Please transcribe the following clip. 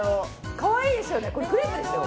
かわいいですよねこれクレープですよ。